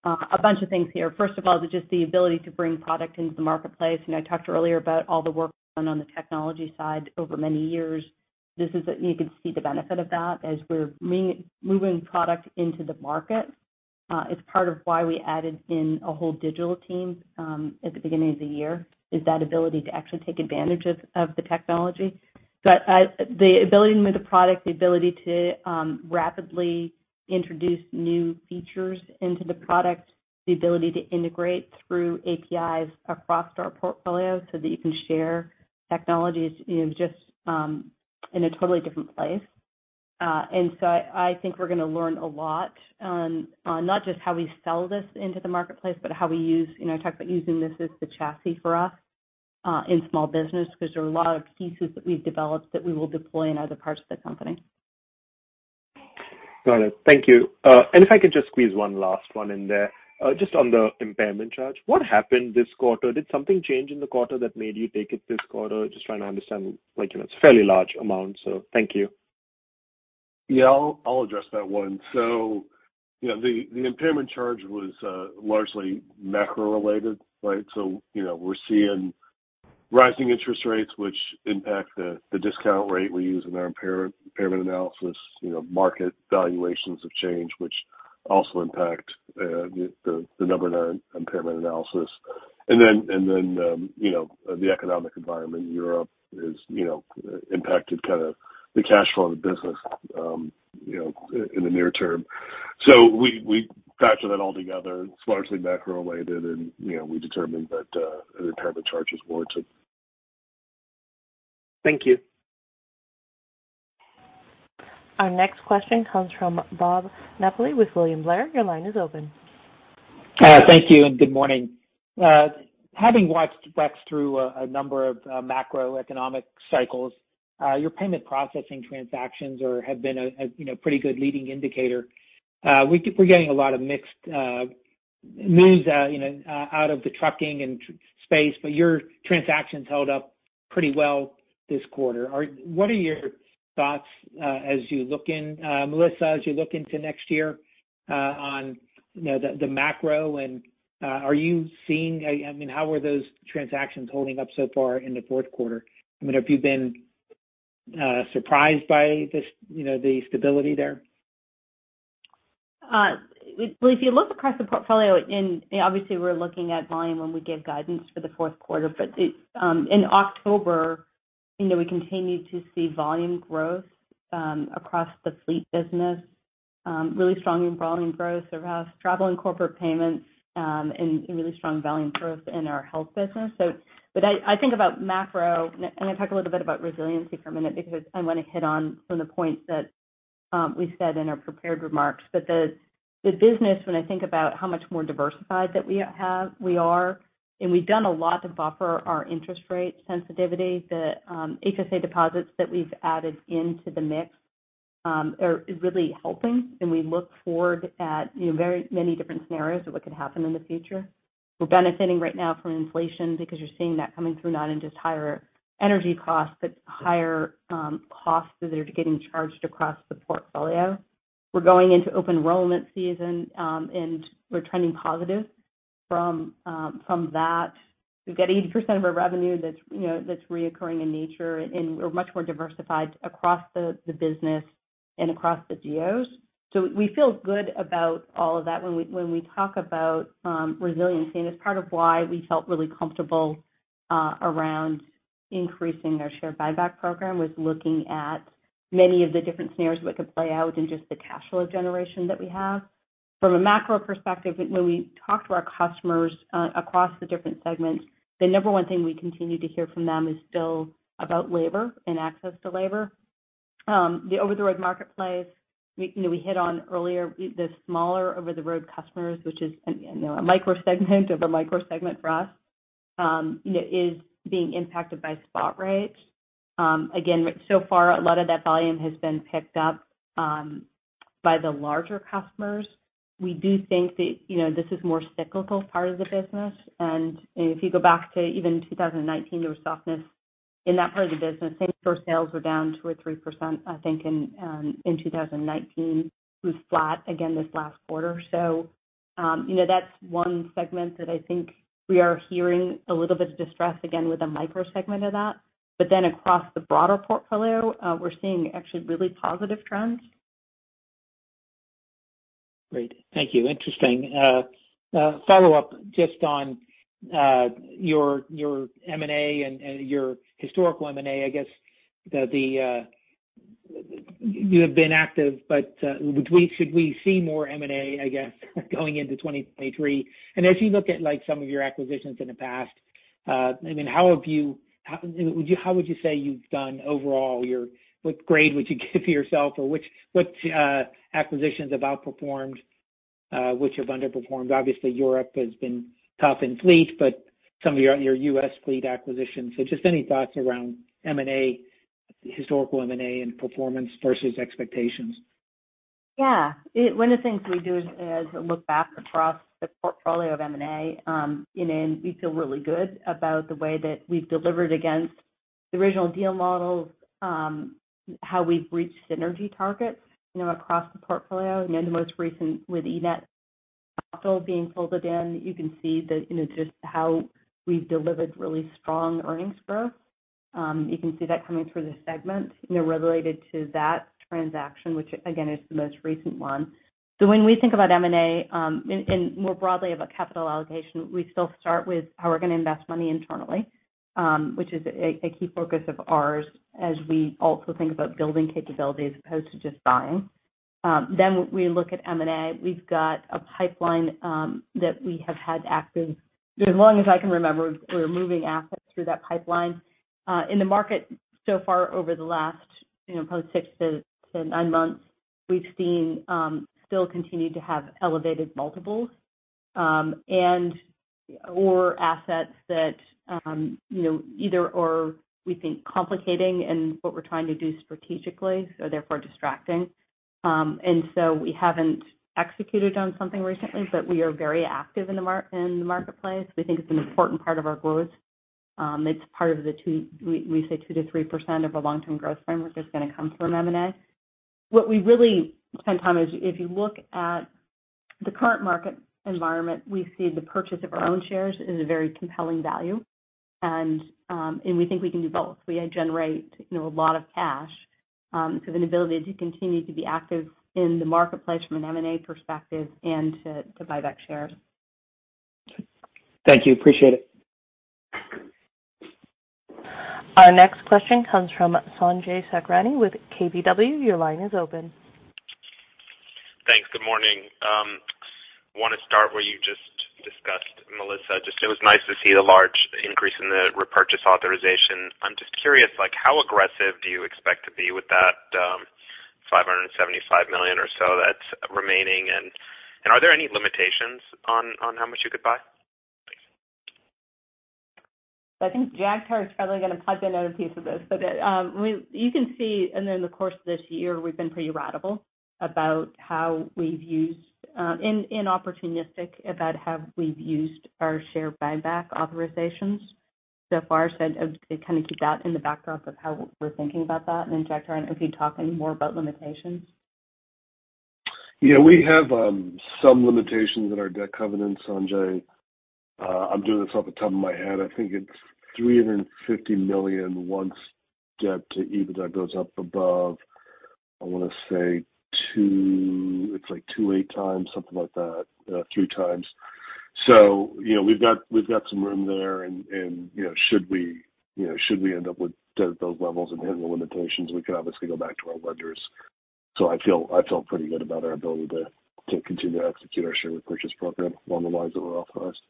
a bunch of things here. First of all, just the ability to bring product into the marketplace. I talked earlier about all the work done on the technology side over many years. You can see the benefit of that as we're moving product into the market. It's part of why we added in a whole digital team at the beginning of the year, is that ability to actually take advantage of the technology. The ability to move the product, the ability to rapidly introduce new features into the product, the ability to integrate through APIs across our portfolio so that you can share technologies, just in a totally different place. I think we're gonna learn a lot on not just how we sell this into the marketplace, but how we use, talk about using this as the chassis for us in small business, because there are a lot of pieces that we've developed that we will deploy in other parts of the company. Got it. Thank you. If I could just squeeze one last one in there. Just on the impairment charge, what happened this quarter? Did something change in the quarter that made you take it this quarter? Just trying to understand, like, it's a fairly large amount, so thank you. Yeah. I'll address that one. The impairment charge was largely macro-related, right? We're seeing rising interest rates which impact the discount rate we use in our impairment analysis. Market valuations have changed, which also impact the number in our impairment analysis. The economic environment in Europe has, impacted the cash flow of the business, in the near term. We factor that all together. It's largely macro-related and, we determined that an impairment charge is warranted. Thank you. Thank you, and good morning. Having watched WEX through a number of macroeconomic cycles, your payment processing transactions have been a, pretty good leading indicator. We're getting a lot of mixed news, out of the trucking space, but your transactions held up pretty well this quarter. What are your thoughts, Melissa, as you look into next year, on, the macro and are you seeing. I mean, how are those transactions holding up so far in the Q4? I mean, have you been surprised by the stability there? Well, if you look across the portfolio, and obviously we're looking at volume when we give guidance for the Q4. It in October, we continued to see volume growth across the fleet business. Really strong volume growth across travel and corporate payments, and really strong volume growth in our health business. I think about macro, and I talk a little bit about resiliency for a minute because I want to hit on some of the points that we said in our prepared remarks. The business, when I think about how much more diversified that we have, we are, and we've done a lot to buffer our interest rate sensitivity. The HSA deposits that we've added into the mix are really helping, and we look forward at, very many different scenarios of what could happen in the future. We're benefiting right now from inflation because you're seeing that coming through not in just higher energy costs, but higher costs that are getting charged across the portfolio. We're going into open enrollment season, and we're trending positive from that. We've got 80% of our revenue that's, recurring in nature, and we're much more diversified across the business and across the geos. We feel good about all of that when we talk about resiliency, and it's part of why we felt really comfortable around increasing our share buyback program, was looking at many of the different scenarios that could play out in just the cash flow generation that we have. From a macro perspective, we talk to our customers across the different segments. The number one thing we continue to hear from them is still about labor and access to labor. The over-the-road marketplace, we hit on earlier, the smaller over-the-road customers, which is, a micro segment of a micro segment for us, is being impacted by spot rates. Again, so far a lot of that volume has been picked up by the larger customers. We do think that, this is more cyclical part of the business. If you go back to even 2019, there was softness in that part of the business. Same-store sales were down 2 or 3%, I think, in 2019. It was flat again this last quarter. That's one segment that I think we are hearing a little bit of distress again with a micro segment of that. Across the broader portfolio, we're seeing actually really positive trends. Great. Thank you. Interesting. Follow-up just on your M&A and your historical M&A. I guess you have been active, but should we see more M&A, I guess, going into 2023? As you look at, like, some of your acquisitions in the past, I mean, how would you say you've done overall, what grade would you give yourself, or which acquisitions have outperformed, which have underperformed? Obviously, Europe has been tough in fleet, but some of your US fleet acquisitions. Just any thoughts around M&A, historical M&A, and performance versus expectations. Yeah. One of the things we do is look back across the portfolio of M&A, and then we feel really good about the way that we've delivered against the original deal models, how we've reached synergy targets, across the portfolio. The most recent with eNett also being folded in, you can see that, just how we've delivered really strong earnings growth. You can see that coming through the segment, related to that transaction, which again is the most recent one. When we think about M&A, and more broadly about capital allocation, we still start with how we're going to invest money internally, which is a key focus of ours as we also think about building capabilities as opposed to just buying. Then we look at M&A. We've got a pipeline that we have had active for as long as I can remember. We're moving assets through that pipeline. In the market so far over the last, probably 6-9 months, we've seen still continue to have elevated multiples, and/or assets that, either or we think complicating in what we're trying to do strategically, so therefore distracting. We haven't executed on something recently, but we are very active in the marketplace. We think it's an important part of our growth. It's part of the 2%-3% we say of our long-term growth framework is gonna come from M&A. What we really spend time is if you look at the current market environment, we see the purchase of our own shares is a very compelling value. We think we can do both. We generate, a lot of cash, so the ability to continue to be active in the marketplace from an M&A perspective and to buy back shares. Thank you. Appreciate it. Thanks. Good morning. Want to start where you just Melissa, just it was nice to see the large increase in the repurchase authorization. I'm just curious, like how aggressive do you expect to be with that, $575 million or so that's remaining? Are there any limitations on how much you could buy? I think Jagtar Narula is probably gonna plug in a piece of this. You can see, in the course of this year, we've been pretty rational and opportunistic about how we've used our share buyback authorizations so far. As to keep that in the backdrop of how we're thinking about that. Jagtar Narula, I don't know if you'd talk any more about limitations. Yeah, we have some limitations in our debt covenants, Sanjay. I'm doing this off the top of my head. I think it's $350 million once debt to EBITDA goes up above, I wanna say 2.8 times, something like that, 3 times. We've got some room there and should we end up with debt at those levels and hit the limitations, we could obviously go back to our lenders. I feel pretty good about our ability to continue to execute our share repurchase program along the lines that we're authorized.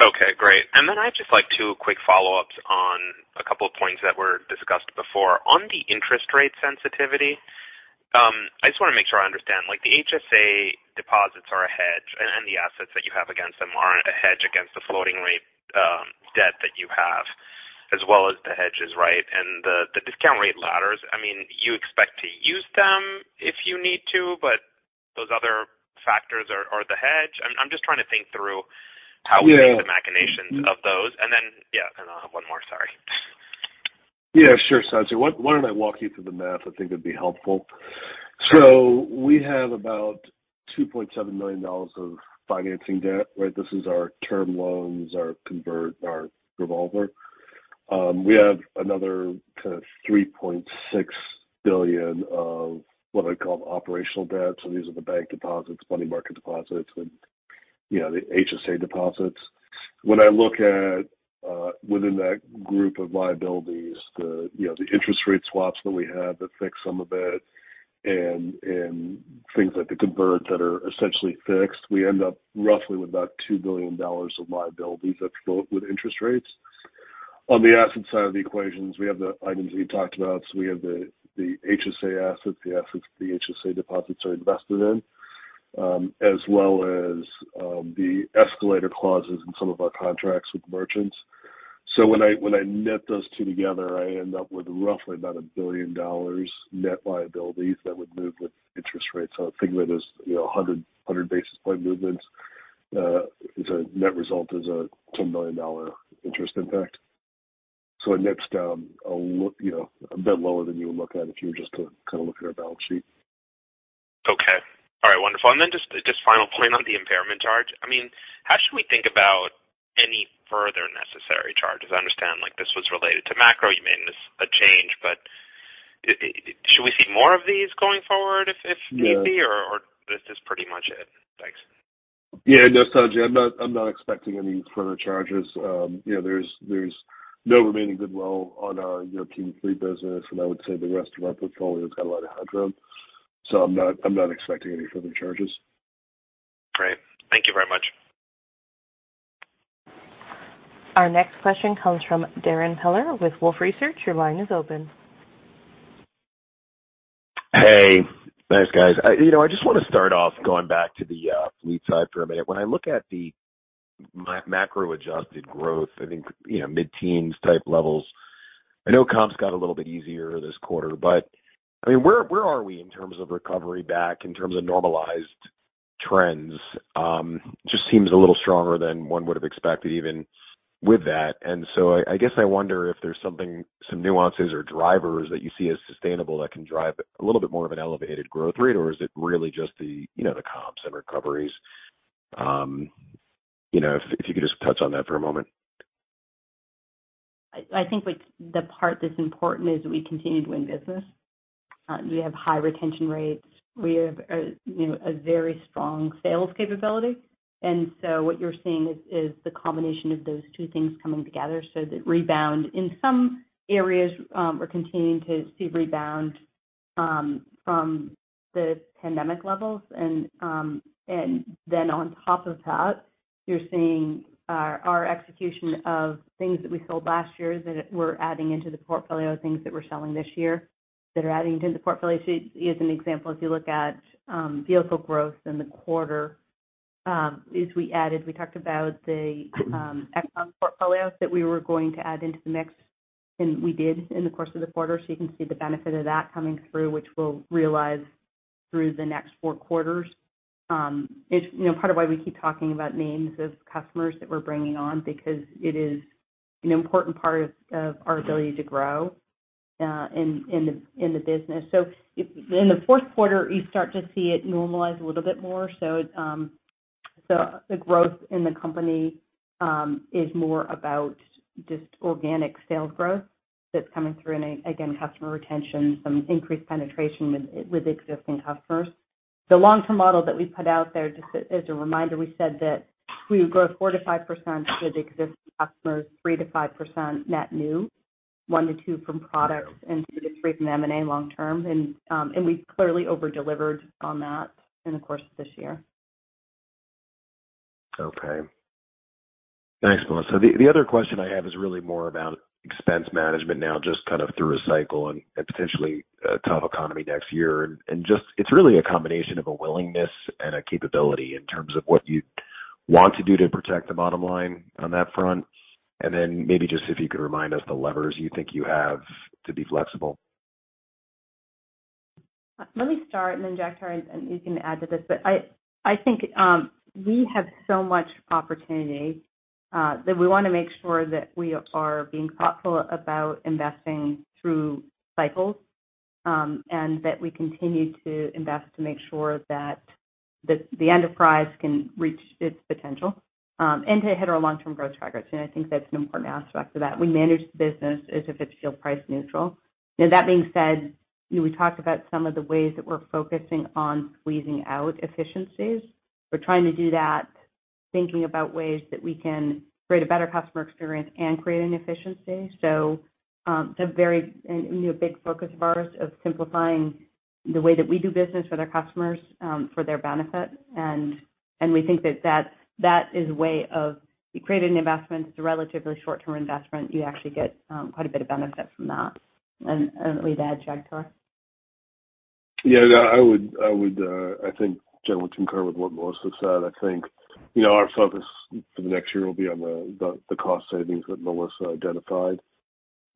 Okay, great. I have just, like, two quick follow-ups on a couple of points that were discussed before. On the interest rate sensitivity, I just wanna make sure I understand, like the HSA deposits are a hedge, and the assets that you have against them are a hedge against the floating rate debt that you have as well as the hedges, right? The discount rate ladders, I mean, you expect to use them if you need to, but those other factors are the hedge. I'm just trying to think through how we make the machinations of those. Yeah, one more. Sorry. Yeah, sure, Sanjay. Why don't I walk you through the math? I think it'd be helpful. We have about $2.7 million of financing debt, right? This is our term loans, our convert, our revolver. We have another $3.6 billion of what I call operational debt. These are the bank deposits, money market deposits, and, the HSA deposits. When I look at within that group of liabilities, the interest rate swaps that we have that fix some of it and things like the converts that are essentially fixed, we end up roughly with about $2 billion of liabilities that float with interest rates. On the asset side of the equations, we have the items that you talked about. We have the HSA assets, the assets the HSA deposits are invested in, as well as the escalator clauses in some of our contracts with merchants. When I net those two together, I end up with roughly about $1 billion net liabilities that would move with interest rates. Think of it as 100 basis point movements is a net result of a $10 million interest impact. It nets down a bit lower than you would look at if you were just to look at our balance sheet. Okay. All right, wonderful. Just final point on the impairment charge. I mean, how should we think about any further necessary charges? I understand, like, this was related to macro. You made this a change, but should we see more of these going forward if need be or- Yeah. This is pretty much it? Thanks. Yeah. No, Sanjay, I'm not expecting any further charges. There's no remaining goodwill on our European fleet business. I would say the rest of our portfolio's got a lot of headroom, so I'm not expecting any further charges. Great. Thank you very much. Hey, thanks, guys. I just wanna start off going back to the fleet side for a minute. When I look at the macro-adjusted growth, I think, mid-teens type levels. I know comps got a little bit easier this quarter, but, I mean, where are we in terms of recovery back in terms of normalized trends? Just seems a little stronger than one would have expected even with that. I guess I wonder if there's something, some nuances or drivers that you see as sustainable that can drive a little bit more of an elevated growth rate, or is it really just the, the comps and recoveries? If you could just touch on that for a moment. I think the part that's important is we continue to win business. We have high retention rates. We have, a very strong sales capability. What you're seeing is the combination of those two things coming together. The rebound in some areas, we're continuing to see rebound from the pandemic levels. Then on top of that, you're seeing our execution of things that we sold last year that we're adding into the portfolio, things that we're selling this year that are adding into the portfolio. To use an example, if you look at vehicle growth in the quarter, we talked about the Exxon portfolios that we were going to add into the mix, and we did in the course of the quarter. You can see the benefit of that coming through, which we'll realize through the next four quarters. It's part of why we keep talking about names of customers that we're bringing on because it is an important part of our ability to grow in the business. In the Q4, you start to see it normalize a little bit more. The growth in the company is more about just organic sales growth that's coming through and customer retention, some increased penetration with existing customers. The long-term model that we put out there, just as a reminder, we said that we would grow 4%-5% with existing customers, 3%-5% net new. 1-2 from product and 2-3 from M&A long term. We've clearly over-delivered on that in the course of this year. Okay. Thanks, Melissa. The other question I have is really more about expense management now, just through a cycle and potentially a tough economy next year. Just it's really a combination of a willingness and a capability in terms of what you want to do to protect the bottom line on that front. Maybe just if you could remind us the levers you think you have to be flexible. Let me start and then Jagtar Narula, and you can add to this. I think we have so much opportunity that we wanna make sure that we are being thoughtful about investing through cycles, and that we continue to invest to make sure that the enterprise can reach its potential, and to hit our long-term growth targets. I think that's an important aspect of that. We manage the business as if it's still price neutral. Now that being said, we talked about some of the ways that we're focusing on squeezing out efficiencies. We're trying to do that, thinking about ways that we can create a better customer experience and create an efficiency. It's a very and a big focus of ours of simplifying the way that we do business with our customers for their benefit. We think that is a way of you create an investment. It's a relatively short-term investment. You actually get quite a bit of benefit from that. Anything to add, Jagtar Narula? Yeah, no, I would think generally concur with what Melissa said. I think, our focus for the next year will be on the cost savings that Melissa identified.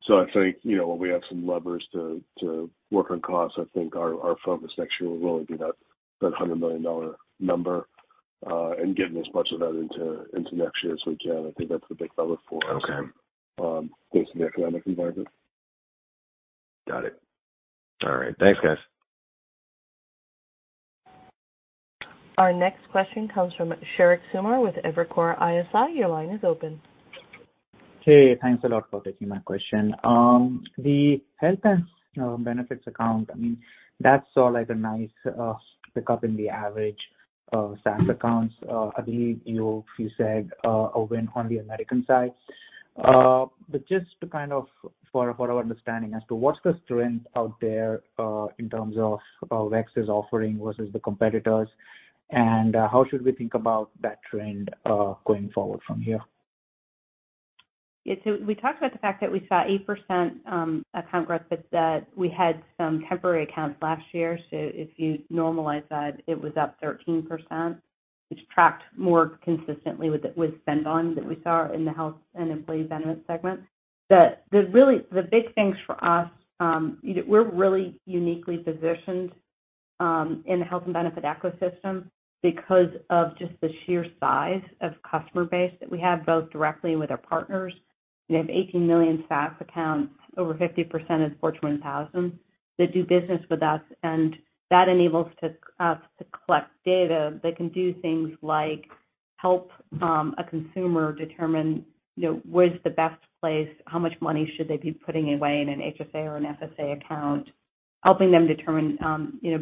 I think, we have some levers to work on costs. I think our focus next year will really be that $100 million number, and getting as much of that into next year as we can. I think that's the big lever for us. Okay. Based on the economic environment. Got it. All right. Thanks, guys. Hey, thanks a lot for taking my question. The health and benefits account, I mean, that saw like a nice pick up in the average HSA accounts. I believe you said a win on the American side. Just for our understanding as to what's the strength out there in terms of WEX's offering versus the competitors, and how should we think about that trend going forward from here? Yeah. We talked about the fact that we saw 8% account growth, but that we had some temporary accounts last year. If you normalize that, it was up 13%, which tracked more consistently with spend volume that we saw in the health and employee benefit segment. The big things for us, we're really uniquely positioned in the health and benefit ecosystem because of just the sheer size of customer base that we have, both directly and with our partners. We have 18 million SaaS accounts, over 50% of the Fortune 1000 that do business with us, and that enables us to collect data that can do things like help a consumer determine, where's the best place, how much money should they be putting away in an HSA or an FSA account, helping them determine,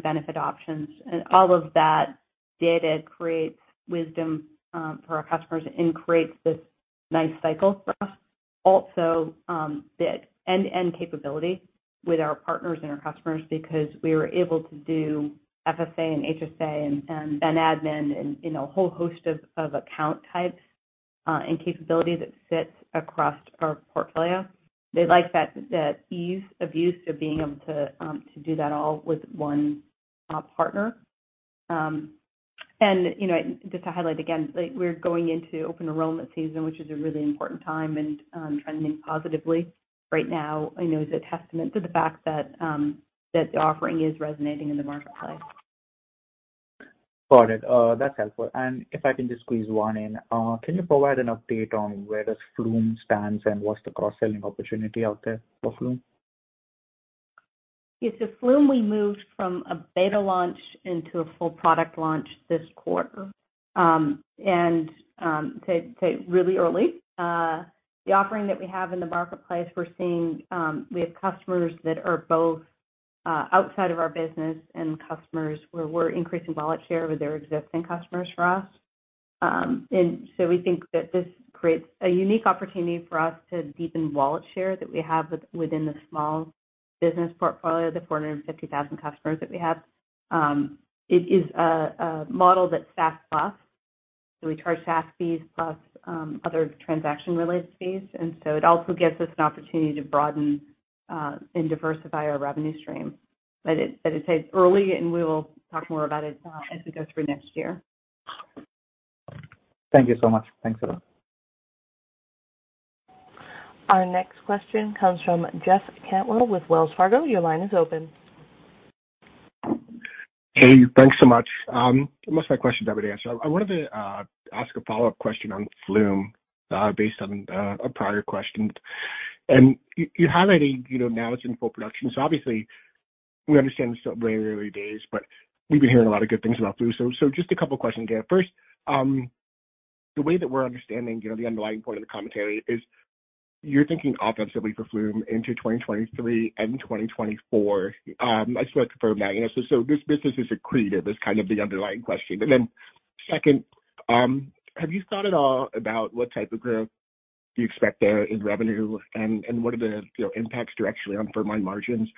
benefit options. All of that data creates wisdom for our customers and creates this nice cycle for us. The end-to-end capability with our partners and our customers because we were able to do FSA and HSA and then admin and, a whole host of account types and capabilities that fits across our portfolio. They like that, the ease of use of being able to to do that all with one partner. Just to highlight again, like we're going into open enrollment season, which is a really important time and trending positively right now, is a testament to the fact that that the offering is resonating in the marketplace. Got it. That's helpful. If I can just squeeze one in. Can you provide an update on where does Flume stands and what's the cross-selling opportunity out there for Flume? Yes. Flume, we moved from a beta launch into a full product launch this quarter. Too early, the offering that we have in the marketplace, we're seeing we have customers that are both outside of our business and customers where we're increasing wallet share with our existing customers. We think that this creates a unique opportunity for us to deepen wallet share that we have within the small business portfolio, the 450,000 customers that we have. It is a model that's SaaS plus. We charge SaaS fees plus other transaction related fees. It also gives us an opportunity to broaden and diversify our revenue stream. It's early, and we will talk more about it as we go through next year. Thank you so much. Thanks a lot. Hey, thanks so much. Most of my questions have been answered. I wanted to ask a follow-up question on Flume, based on a prior question. You highlighted, now it's in full production, so obviously we understand it's still very early days, but we've been hearing a lot of good things about Flume. Just a couple questions here. First, the way that we're understanding, the underlying point of the commentary is you're thinking offensively for Flume into 2023 and 2024. I just wanna confirm that. This business is accretive is the underlying question. Second, have you thought at all about what type of growth do you expect there in revenue and what are the, impacts directionally on firm-wide margins?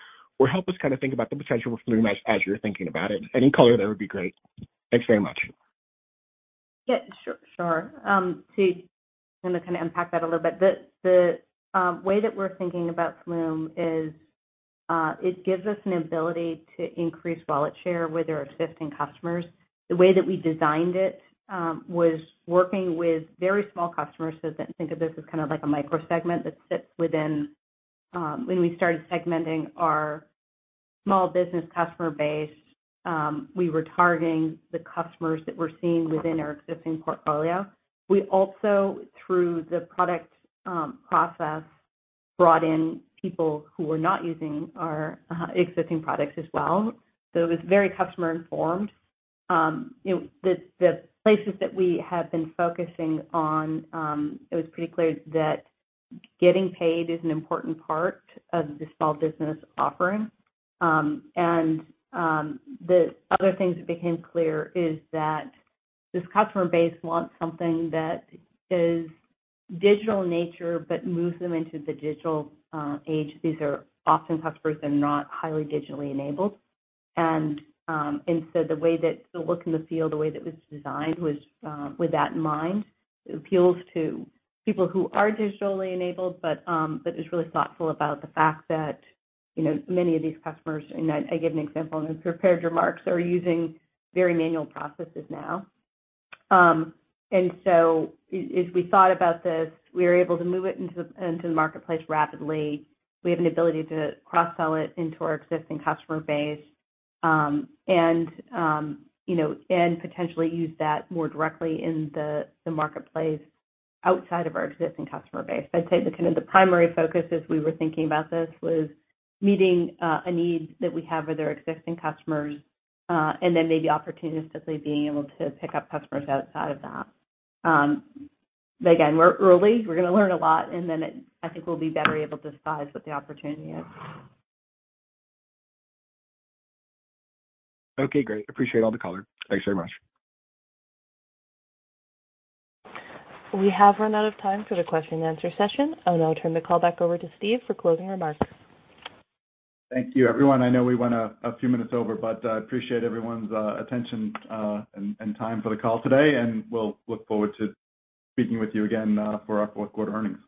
help us think about the potential for Flume as you're thinking about it. Any color there would be great. Thanks very much. Sure. Steve, I'm gonna kinda unpack that a little bit. The way that we're thinking about Flume is, it gives us an ability to increase wallet share with our existing customers. The way that we designed it was working with very small customers so that think of this as like a micro segment that sits within. When we started segmenting our small business customer base, we were targeting the customers that we're seeing within our existing portfolio. We also, through the product process, brought in people who were not using our existing products as well. It was very customer informed. The places that we have been focusing on, it was pretty clear that getting paid is an important part of the small business offering. The other things that became clear is that this customer base wants something that is digital in nature but moves them into the digital age. These are often customers that are not highly digitally enabled. The way that it's built in the field, the way that it was designed was with that in mind. It appeals to people who are digitally enabled, but it's really thoughtful about the fact that, many of these customers, and I give an example in the prepared remarks, are using very manual processes now. As we thought about this, we were able to move it into the marketplace rapidly. We have an ability to cross-sell it into our existing customer base. And potentially use that more directly in the marketplace outside of our existing customer base. I'd say the primary focus as we were thinking about this was meeting a need that we have with our existing customers and then maybe opportunistically being able to pick up customers outside of that. Again, we're early, we're gonna learn a lot, and then I think we'll be better able to size what the opportunity is. Okay, great. Appreciate all the color. Thanks very much. Thank you, everyone. I know we went a few minutes over, but I appreciate everyone's attention and time for the call today. We'll look forward to speaking with you again for our Q4 earnings.